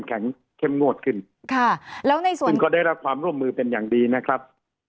แล้วในสวนนี่ในส่วนก็ได้รับความร่วมมือเป็นอย่างดีนะครับ